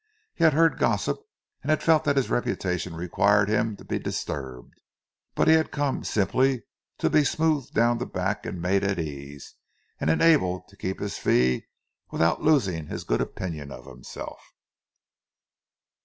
He had heard gossip, and felt that his reputation required him to be disturbed; but he had come, simply to be smoothed down the back and made at ease, and enabled to keep his fee without losing his good opinion of himself.